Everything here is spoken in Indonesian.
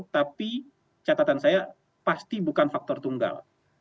tapi catatan saya pasti bukan faktor tunggal